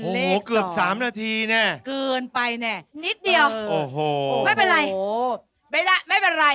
เลขอะไร